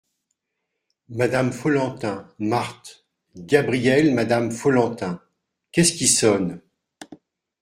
Madame Follentin, Marthe, Gabriel Madame Follentin. — Qu’est-ce qui sonne ?